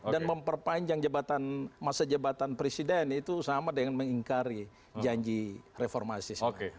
dan memperpanjang masa jabatan presiden itu sama dengan mengingkari janji reformasi